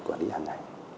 vâng xin cảm ơn ông